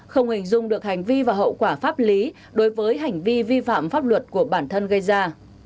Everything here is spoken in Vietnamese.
không hình dung được hành vi và hậu quả pháp lý đối với hành vi vi phạm pháp luật của bản thân gây ra